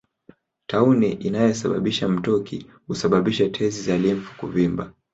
Tauni inayosababisha mtoki husababisha tezi za limfu kuvimba